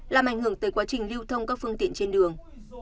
làm ảnh hưởng tới quá trình lưu thông các phương tiện trên đường